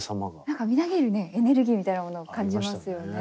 何かみなぎるねエネルギーみたいなものを感じますよね。